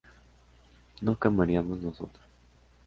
¿no comeríamos nosotros?